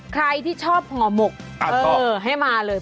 ใครที่ชอบห่อหมกให้มาเลย